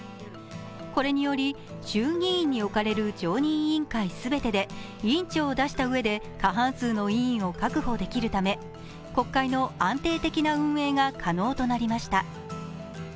これにより、衆議院に置かれる常任委員会すべてで委員長を出したうえで過半数の委員を確保できるため国会の安定的な運営が可能となりました。